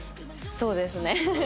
そうですね。